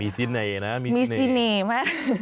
มีเสน่ห์นะมีเสน่ห์มาก